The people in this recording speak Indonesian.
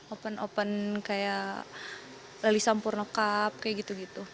open open kayak lali sampurna cup kayak gitu gitu